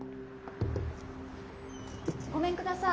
ごめんください。